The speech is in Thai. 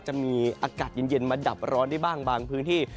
จะมีอากาศเย็นมาดับร้อนได้บ้างบางพื้นที่